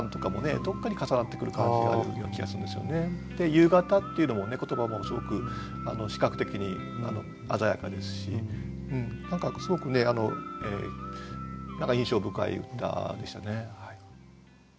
「Ｕ形」っていうのも言葉もすごく視覚的に鮮やかですし何かすごく印象深い歌でしたね。